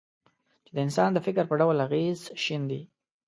چې د انسان د فکر په ډول اغېز شیندي.